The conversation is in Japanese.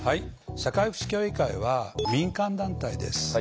社会福祉協議会は民間団体です。